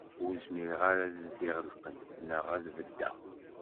Ur zmireɣ ara ad zdiɣ lqedd, naɣ ad beddeɣ.